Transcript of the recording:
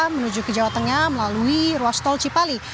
menuju ke jawa tengah melalui ruas tol cipali